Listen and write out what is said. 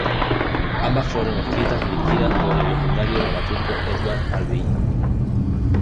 Ambas fueron escritas y dirigidas por el legendario dramaturgo Edward Albee.